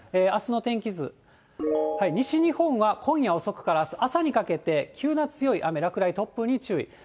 あすの天気図、西日本は今夜遅くからあす朝にかけて急な強い雨、落雷、突風に注意。